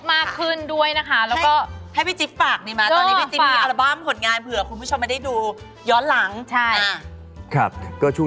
มีคนเดียว